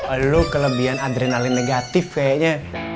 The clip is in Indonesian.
aduh lu kelebihan adrenalin negatif kayaknya